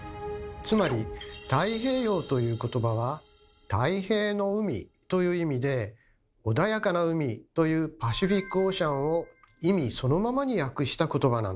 つまり「太平洋」という言葉は「太平の海」という意味で「穏やかな海」という「パシフィック・オーシャン」を意味そのままに訳した言葉なんです。